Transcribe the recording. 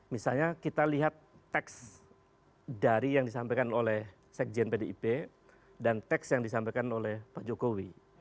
misalnya kita lihat teks dari yang disampaikan oleh sekjen pdip dan teks yang disampaikan oleh pak jokowi